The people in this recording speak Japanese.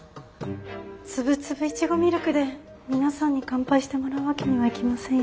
つぶつぶいちごミルクで皆さんに乾杯してもらうわけにはいきませんよね。